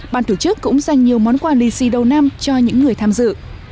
bàn thủ chức cũng dành nhiều món quà lì xì đầu năm cho những người tham dự